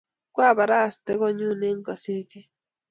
kwabarastee konyuu eng kasetit